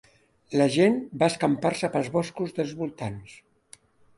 La gent va escampar-se pels boscos dels voltants.